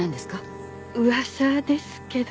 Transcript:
噂ですけど。